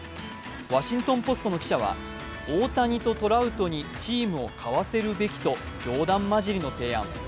「ワシントン・ポスト」の記者は大谷とトラウトにチームを買わせるべきと冗談交じりの提案。